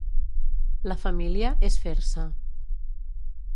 La família és fer-se.